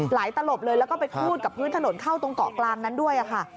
ตลบเลยแล้วก็ไปคูดกับพื้นถนนเข้าตรงเกาะกลางนั้นด้วยค่ะ